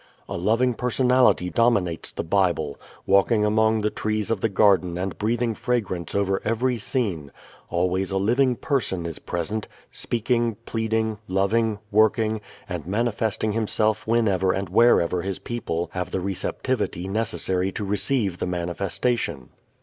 A loving Personality dominates the Bible, walking among the trees of the garden and breathing fragrance over every scene. Always a living Person is present, speaking, pleading, loving, working, and manifesting Himself whenever and wherever His people have the receptivity necessary to receive the manifestation.